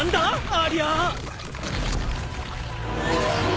ありゃ！